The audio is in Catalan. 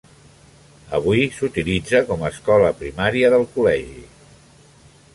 Avui s'utilitza com a escola primària del col·legi.